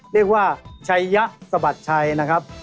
เรียกว่าชัยยะสะบัดชัยนะครับ